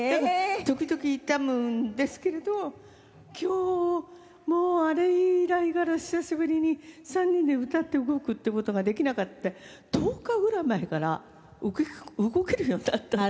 時々痛むんですけれど今日もうあれ以来から久しぶりに３人で歌って動くっていう事ができなくって１０日ぐらい前から動けるようになったんです。